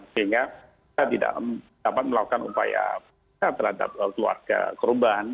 sehingga kita tidak dapat melakukan upaya terhadap keluarga korban